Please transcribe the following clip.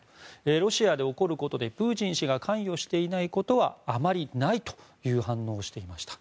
ロシアで起こることでプーチン氏が関与していないことはあまりないという反応をしていました。